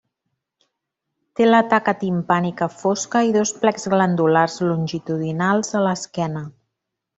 Té la taca timpànica fosca i dos plecs glandulars longitudinals a l'esquena.